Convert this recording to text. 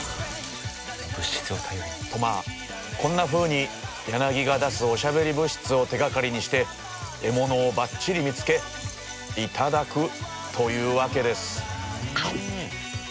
まあこんなふうにヤナギが出すおしゃべり物質を手がかりにして獲物をばっちり見つけ頂くというわけです。